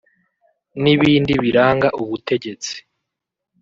n’ibindi biranga ubutegetsi